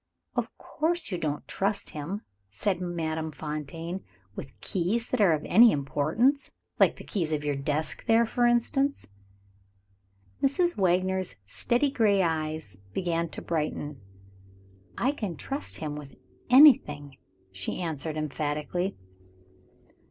"Of course you don't trust him," said Madame Fontaine, "with keys that are of any importance; like the key of your desk there, for instance." Mrs. Wagner's steady gray eyes began to brighten. "I can trust him with anything," she answered emphatically.